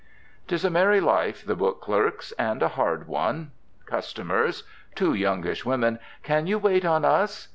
'Tis a merry life, the book clerk's, and a hard one. Customers: Two youngish women. "Can you wait on us?"